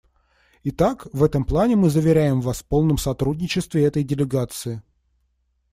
Итак, в этом плане мы заверяем Вас в полном сотрудничестве этой делегации.